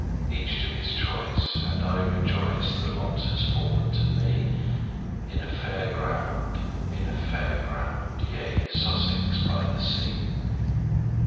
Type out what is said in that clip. Each to his choice, and I rejoice The lot has fallen to me In a fair ground in a fair ground Yea, Sussex by the sea!